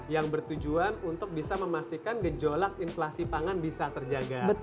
yang bertujuan untuk bisa memastikan gejolak inflasi pangan bisa terjaga